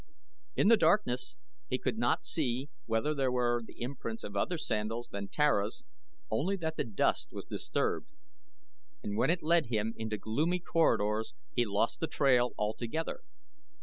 In the darkness he could not see whether there were the imprints of other sandals than Tara's only that the dust was disturbed and when it led him into gloomy corridors he lost the trail altogether.